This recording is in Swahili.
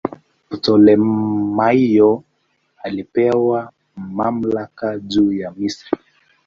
Ptolemaio alipewa mamlaka juu ya Misri.